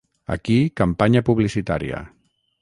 Aquí Campanya publicitària.